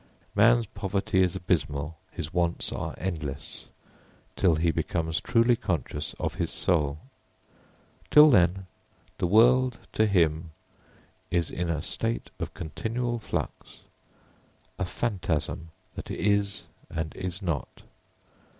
Man's poverty is abysmal, his wants are endless till he becomes truly conscious of his soul. Till then, the world to him is in a state of continual flux a phantasm that is and is not.